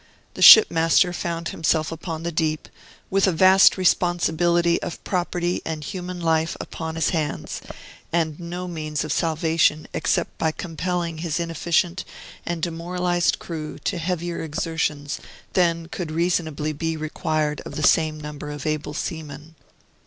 The shipmaster found himself upon the deep, with a vast responsibility of property and human life upon his hands, and no means of salvation except by compelling his inefficient and demoralized crew to heavier exertions than could reasonably be required of the same number of able seamen.